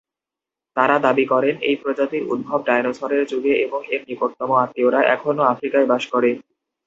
তারা দাবি করেন, এই প্রজাতির উদ্ভব ডাইনোসরের যুগে এবং এর নিকটতম আত্মীয়রা এখনো আফ্রিকায় বাস করে।